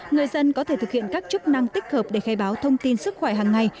người dân có thể thực hiện các chức năng tích hợp để khai báo thông tin sức khỏe hàng ngày